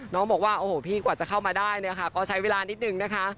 น้องบอกว่าโอ้โหพี่กว่าจะเข้ามาได้เนี่ยค่ะก็ใช้เวลานิดนึงนะคะ